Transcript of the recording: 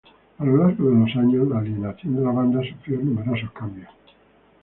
A lo largo de los años, la alineación de la banda sufrió numerosos cambios.